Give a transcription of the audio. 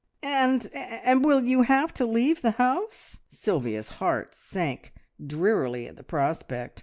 "And and will you have to leave the house?" Sylvia's heart sank drearily at the prospect.